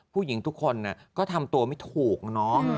ผู้หญิงทุกคนน่ะก็ทำตัวไม่ถูกน้อง